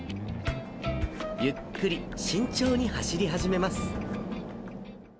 ゆっくり慎重に走り始めます。